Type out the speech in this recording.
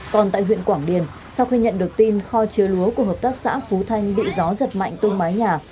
còn tại huyện quảng điền sau khi nhận được tin kho chứa lúa của hợp tác xã phú thanh bị gió giật mạnh tung mái nhà